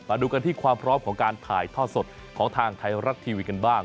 มาดูกันที่ความพร้อมของการถ่ายทอดสดของทางไทยรัฐทีวีกันบ้าง